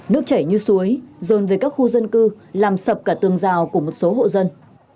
nước chảy như suối rồn về các khu dân cư làm sập cả tường rào của một số hộ dân